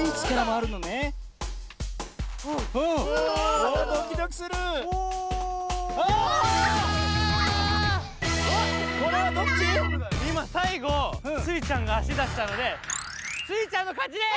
あっこれはどっち⁉いまさいごスイちゃんがあしだしたのでスイちゃんのかちです！